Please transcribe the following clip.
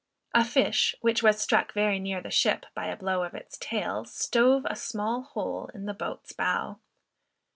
A fish which was struck very near the ship, by a blow of its tail, stove a small hole in the boat's bow.